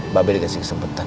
mbak be dikasih kesempatan